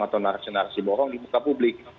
atau narasi narasi bohong di muka publik